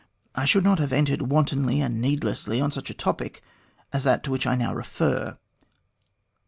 I should not have entered wantonly and needlessly on such a topic as that to which I now refer.